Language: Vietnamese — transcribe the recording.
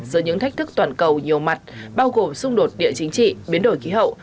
giữa những thách thức toàn cầu nhiều mặt bao gồm xung đột địa chính trị biến đổi khí hậu